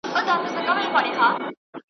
زما د سر قاتل، زموږ قاضي، د ښار ساتونکی